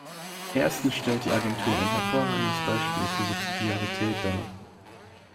Erstens stellt die Agentur ein hervorragendes Beispiel für Subsidiarität dar.